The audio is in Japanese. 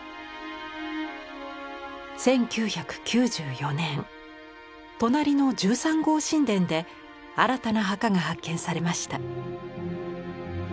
１９９４年隣の１３号神殿で新たな墓が発見されました。